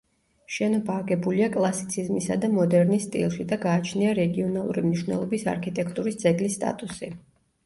შენობა აგებულია კლასიციზმისა და მოდერნის სტილში და გააჩნია რეგიონალური მნიშვნელობის არქიტექტურის ძეგლის სტატუსი.